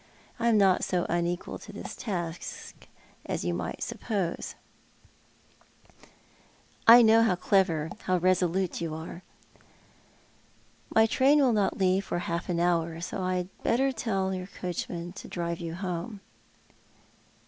I am not so unequal to this task as you might suppose." " I know how clever, how resolute you are." " My train will not leave for half an hour, so I had better tell your coachman to drive you home."